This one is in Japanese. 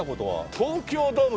東京ドームでね